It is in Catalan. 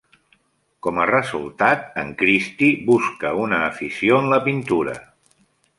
Com a resultat, en Christy busca una afició en la pintura.